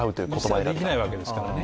実際できないわけですからね。